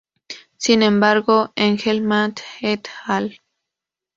Sin embargo, Engelmann et al.